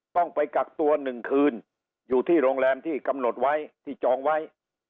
ต้องไปกักตัว๑คืนอยู่ที่โรงแรมที่กำหนดไว้ที่จองไว้